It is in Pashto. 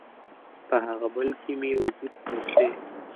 په هغه بل کي مې وجود پروت دی